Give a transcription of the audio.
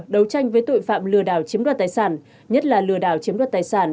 đấu tranh với tội phạm lừa đảo chiếm đoạt tài sản nhất là lừa đảo chiếm đoạt tài sản